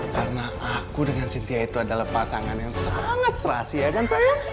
karena aku dengan cynthia itu adalah pasangan yang sangat serasi ya kan sayang